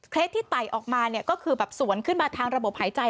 ที่ไต่ออกมาเนี่ยก็คือแบบสวนขึ้นมาทางระบบหายใจ